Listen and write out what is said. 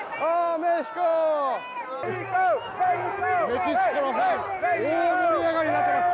メキシコのファン大盛り上がりになっています！